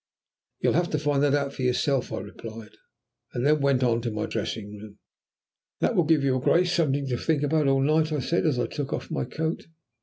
"You'll have to find out that for yourself," I replied, and then went on to my dressing room. "That will give your Grace something to think about all night," I said, as I took off my coat.